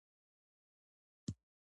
جنسیتي تفکیک یا جلاکونه هم پکې شامل دي.